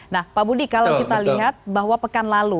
nah pak budi kalau kita lihat bahwa pekan lalu